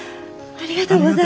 ありがとうございます。